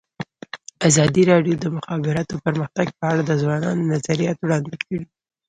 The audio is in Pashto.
ازادي راډیو د د مخابراتو پرمختګ په اړه د ځوانانو نظریات وړاندې کړي.